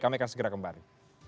kami akan segera kembali